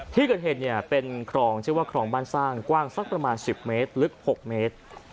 ที่เกิดเหตุเนี่ยเป็นคลองชื่อว่าคลองบ้านสร้างกว้างสักประมาณ๑๐เมตรลึก๖เมตร